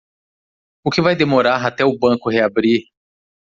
O que vai demorar até o banco reabrir?